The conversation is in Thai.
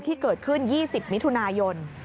ที่เกิดขึ้น๒๐มิถุนายน